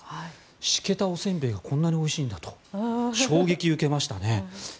しけたお煎餅がこんなにおいしいんだと衝撃を受けましたね。